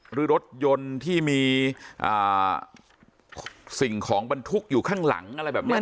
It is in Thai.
หรือรถยนต์ที่มีสิ่งของบรรทุกอยู่ข้างหลังอะไรแบบนี้